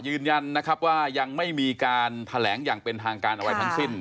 ยืนยันนะครับว่ายังไม่มีการแถลงอย่างเป็นทางการอะไรทั้งสิ้น